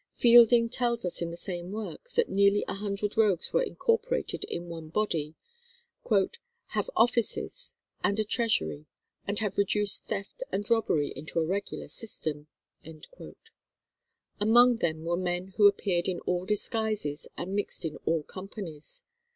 Fielding tells us in the same work that nearly a hundred rogues were incorporated in one body, "have officers and a treasury, and have reduced theft and robbery into a regular system." Among them were men who appeared in all disguises and mixed in all companies.